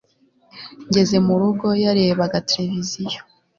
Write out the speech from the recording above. Ngeze mu rugo yarebaga televiziyo